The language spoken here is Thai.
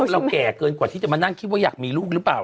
เราแก่เกินกว่าที่จะมานั่งคิดว่าอยากมีลูกหรือเปล่า